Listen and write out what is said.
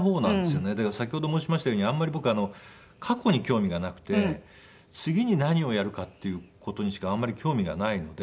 だから先ほど申しましたようにあんまり僕過去に興味がなくて次に何をやるかっていう事にしかあんまり興味がないので。